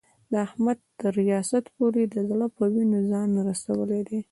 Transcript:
احمد تر ریاست پورې د زړه په وینو ځان رسولی دی.